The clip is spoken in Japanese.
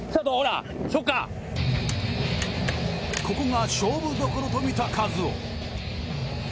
ここが勝負どころとみた一夫。